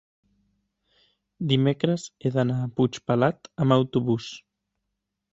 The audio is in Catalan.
dimecres he d'anar a Puigpelat amb autobús.